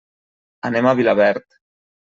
Anem a Vilaverd.